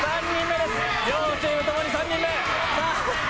両チームともに３人目。